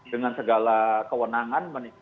dengan segala kewenangan